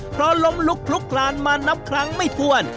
เพราะลมลุกลานมานับครั้งไม่ทวน